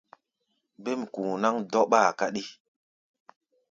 Ɓêm ku̧u̧ náŋ dɔ́ɓáa káɗí.